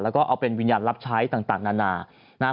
และเอาไปเป็นวิญญาณรับใช้ต่าง